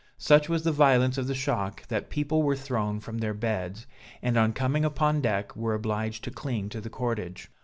Such was the violence of the shock, that people were thrown from their beds, and, on coming upon deck, were obliged to cling to the cordage.